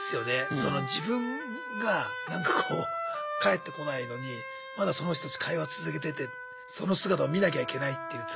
その自分がなんかこう返ってこないのにまだその人たち会話続けててその姿を見なきゃいけないっていうつらさはあるね。